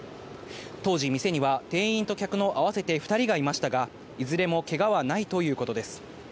当時、店には店員と客の合わせて２人がいましたが、いずれもけがはないということです。